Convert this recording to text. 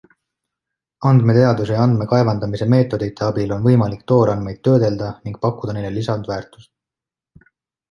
Andmeteaduse ja andmekaevandamise meetodite abil on võimalik toorandmeid töödelda ning pakkuda neile lisandväärtust.